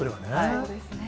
そうですね。